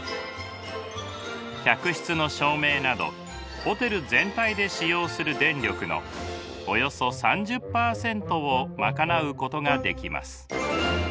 客室の照明などホテル全体で使用する電力のおよそ３０％を賄うことができます。